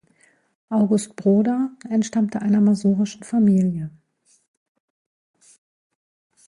August Broda entstammte einer masurischen Familie.